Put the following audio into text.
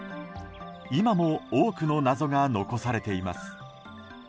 今も多くの謎が残されています。